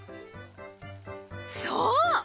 そう！